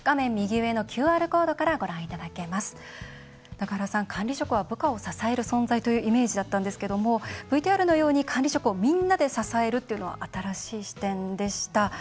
中原さん、管理職は部下を支える存在というイメージだったんですけどもＶＴＲのように管理職をみんなで支えるというのは新しい視点でした。